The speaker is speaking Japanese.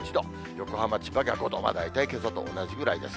横浜、千葉が５度、大体けさと同じぐらいです。